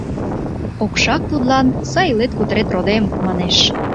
Окшак тудлан «Сай илет-кутырет, родем!» манеш.